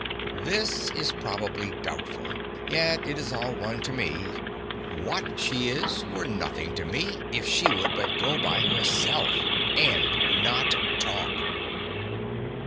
This is probably doubtful; yet it is all one to me; what she is were nothing to me if she would but go by herself and not talk.